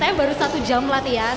saya baru satu jam latihan